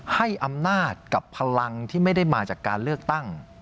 ให้อำนาจกับพลังที่ไม่ได้มาจากการเลือกตั้ง